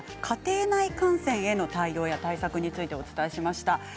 家庭内感染への対応や対策についてお伝えしました。